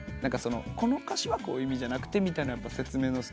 「この歌詞はこういう意味じゃなくて」みたいな説明。